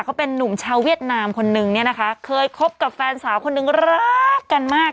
คนหนึ่งเนี้ยนะคะเคยคบกับแฟนสาวคนหนึ่งรักกันมาก